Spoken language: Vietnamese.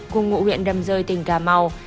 cùng ngụ huyện đầm rơi tỉnh cà mau